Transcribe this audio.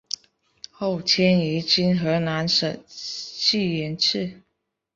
后迁于今河南省济源市。